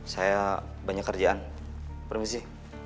saya banyak kerjaan permisi